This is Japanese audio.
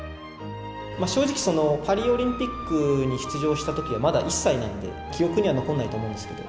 正直パリオリンピックに出場したときはまだ１歳なんで記憶には残んないと思うんですけど。